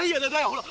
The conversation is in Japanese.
ほら。